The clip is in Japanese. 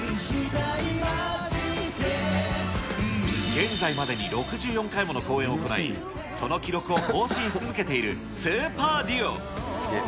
現在までに６４回もの公演を行い、その記録を更新し続けているスーパーデュオ。